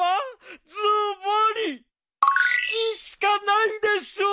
「好き」しかないでしょう！